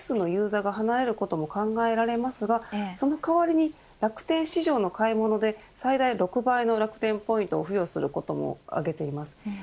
やはり確かに値上げすることで一定数のユーザーが離れることも考えられますがその代わりに楽天市場の買い物で最大６倍の楽天ポイントを付与することも挙げています。